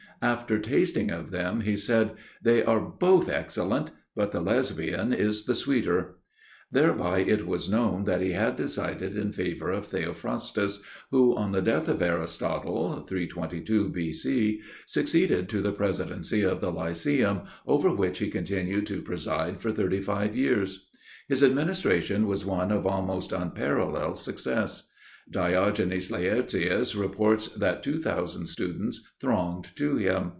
After tasting of them he said: "They are both excellent; but the Lesbian is the sweeter." Thereby it was known that he had decided in favor of Theophrastus, who on the death of Aristotle (322 B.C.) succeeded to the presidency of the Lyceum, over which he continued to preside for thirty five years. His administration was one of almost unparalleled success. Diogenes Laertius reports that two thousand students thronged to him.